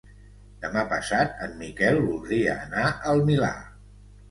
Demà passat en Miquel voldria anar al Milà.